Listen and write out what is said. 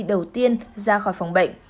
đầu tiên ra khỏi phòng bệnh